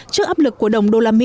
trước áp lực của đồng đô la mỹ